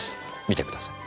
見てください。